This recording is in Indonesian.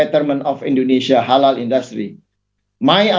untuk kebaikan industri halal indonesia